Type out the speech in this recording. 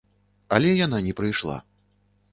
Але яна не прыйшла.